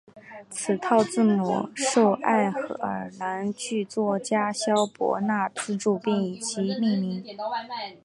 此套字母受爱尔兰剧作家萧伯纳资助并以其命名。